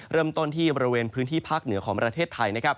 เริ่มต้นที่บริเวณพื้นที่ภาคเหนือของประเทศไทยนะครับ